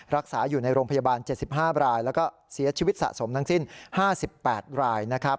รักษาอยู่ในโรงพยาบาล๗๕รายแล้วก็เสียชีวิตสะสมทั้งสิ้น๕๘รายนะครับ